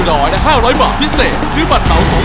เชียร์ทีมชาติไทย